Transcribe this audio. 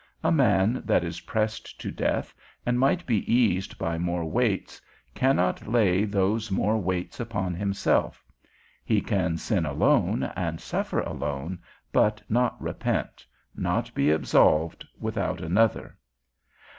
A man that is pressed to death, and might be eased by more weights, cannot lay those more weights upon himself: he can sin alone, and suffer alone, but not repent, not be absolved, without another.